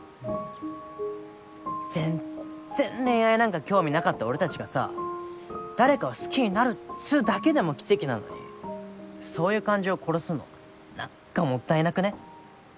全然恋愛なんか興味なかった俺たちがさ誰かを好きになるっつうだけでも奇跡なのにそういう感情を殺すの何かもったいなくね？